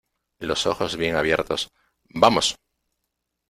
los ojos bien abiertos, ¡ vamos!